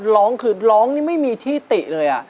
ร้องคือร้องนี่ไม่มีที่ติเลย